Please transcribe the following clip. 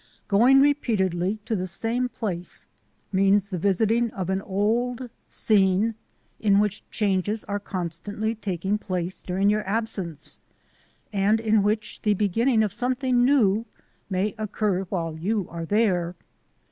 Going repeatedly to the same place means the visit ing of an old scene in which changes are constantly taking place during your absence and in which the beginning of something new may occur while you are there.